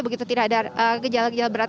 begitu tidak ada gejala gejala berat